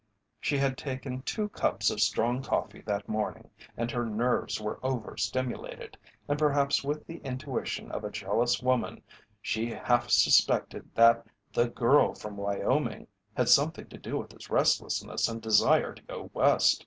She had taken two cups of strong coffee that morning and her nerves were over stimulated, and perhaps with the intuition of a jealous woman she half suspected that "the girl from Wyoming" had something to do with his restlessness and desire to go West.